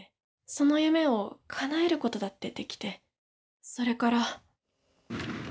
その夢をかなえることだってできて、それから。